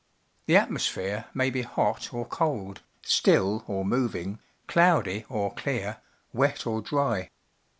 The atmosphere may be hot or cold, still or moving, cloudy or clear, wet or dry.